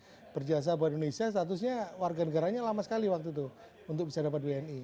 jadi berjasa buat indonesia statusnya warganegaranya lama sekali waktu itu untuk bisa dapat wni